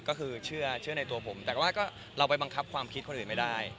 ก็คือเชื่อในตัวผมแต่ว่าก็เราไปบังคับความคิดคนอื่นไม่ได้